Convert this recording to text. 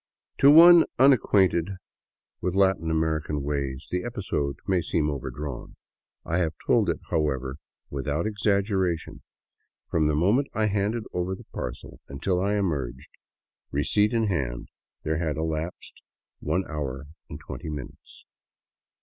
To one unacquainted with Latin American ways the episode may seem overdrawn. I have told it, however, without exaggeration. From the moment I handed over the parcel until I emerged, receipt in hand, there had elapsed one hour and twenty minutes!